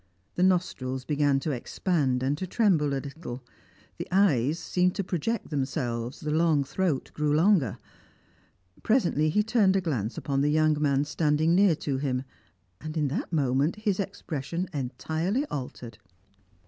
The nostrils began to expand and to tremble a little; the eyes seemed to project themselves; the long throat grew longer. Presently, he turned a glance upon the young man standing near to him, and in that moment his expression entirely altered.